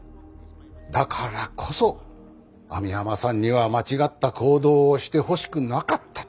だからこそ網浜さんには間違った行動をしてほしくなかったと。